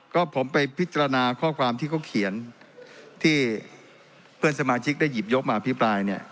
ก็ผมไปพิจารณาข้อความที่เขาเขียนที่เพื่อนสมาชิกได้หยิบยกมาอภิปรายเนี่ย